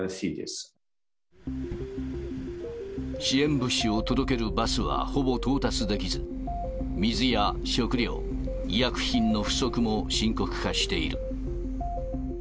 支援物資を届けるバスはほぼ到達できず、水や食料、医薬品の不足も深刻化している。